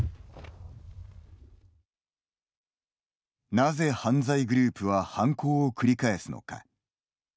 なぜ犯罪グループは犯行を繰り返すのか。